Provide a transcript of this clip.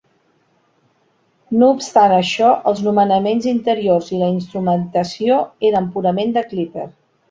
No obstant això, els nomenaments interiors i la instrumentació eren purament de Clipper.